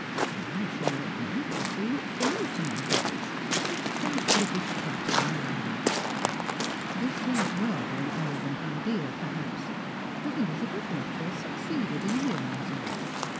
But I shall make my people look forward to my visits as a bright little spot in their hves." This was rather an arrogant idea, perhaps ; but Ehzabeth Luttrell succeeded in realising it.